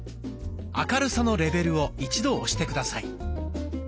「明るさのレベル」を一度押して下さい。